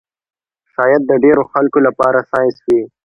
شاید د ډېرو خلکو لپاره ساینس وي